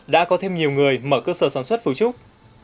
đã có thêm nhiều người mở cơ sở sản xuất phủ trúc